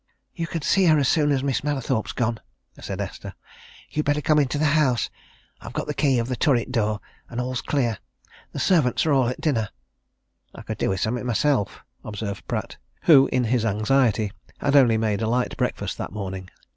"You can see her as soon as Miss Mallathorpe's gone," said Esther. "You'd better come into the house I've got the key of the turret door, and all's clear the servants are all at dinner." "I could do with something myself," observed Pratt, who, in his anxiety, had only made a light breakfast that morning.